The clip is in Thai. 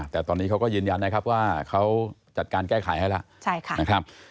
แต่ตอนนี้เขาก็ยืนยันนะครับว่าเขาจัดการแก้ไขให้แล้วนะครับ